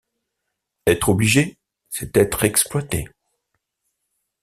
Être obligé, c’est être exploité.